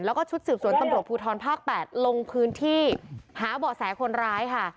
แล้วก็ชุดสืบสวนตำรวจภูทรภาค๘ลงพื้นที่หาเบาะแสคนร้ายค่ะ